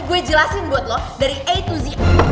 gue jelasin buat lo dari a to z